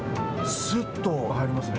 すっと入りますね。